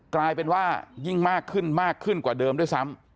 กลายเป็นว่ายิ่งมากขึ้นมากขึ้นกว่าเดิมด้วยซ้ำ